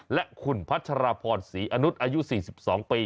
และคุณพัชรพรศรีอนุษย์อายุ๔๒ปี